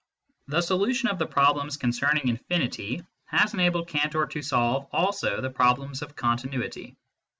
The solution of the problems concerning infinity has enabled Cantor to solve also the problems of continuity.